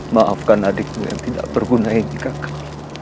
maafkan adikmu yang tidak berguna ini kakak